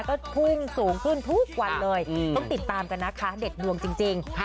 ก็พุ่งสูงขึ้นทุกวันเลยต้องติดตามกันนะคะเด็ดดวงจริง